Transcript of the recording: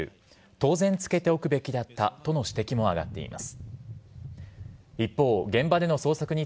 当然付けておくべきだったとの指摘も上がっています。